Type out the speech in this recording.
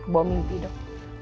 bawa mimpi dok